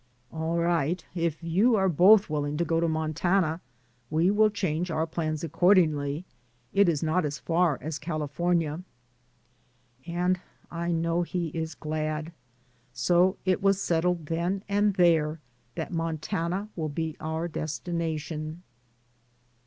"All right, if you are both willing to go to Montana, we will change our plans accor dingly. It is not as far as California." And I know he is glad. So it was settled then and there that Montana will be our destination.